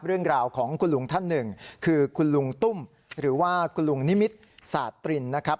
เรื่องราวของคุณลุงท่านหนึ่งคือคุณลุงตุ้มหรือว่าคุณลุงนิมิตรสาตรินนะครับ